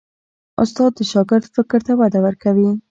استاد د شاګرد فکر ته وده ورکوي.